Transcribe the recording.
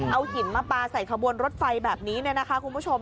เอาหินมาปลาใส่ขบวนรถไฟแบบนี้เนี่ยนะคะคุณผู้ชม